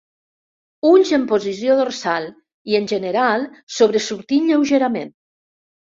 Ulls en posició dorsal i, en general, sobresortint lleugerament.